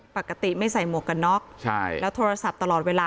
ปกติไม่ใส่หมวกกันน็อกใช่แล้วโทรศัพท์ตลอดเวลา